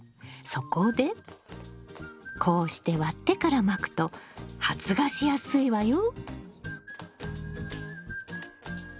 そこでこうして割ってからまくと発芽しやすいわよ。